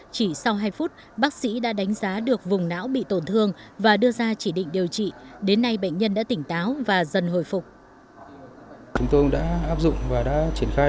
chỉ sau hai phút bác sĩ đã đánh giá được vùng não bị tổn thương và đưa ra chỉ định điều trị